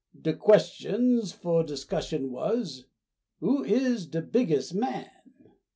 De question fu' discussion was, "Who is de bigges' man?"